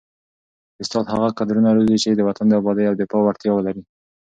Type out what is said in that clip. استاد هغه کدرونه روزي چي د وطن د ابادۍ او دفاع وړتیا ولري.